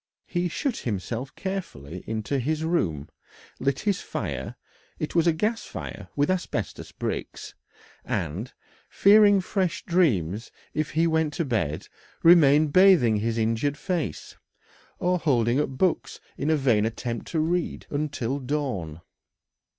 He shut himself carefully into his room, lit his fire it was a gas fire with asbestos bricks and, fearing fresh dreams if he went to bed, remained bathing his injured face, or holding up books in a vain attempt to read, until dawn.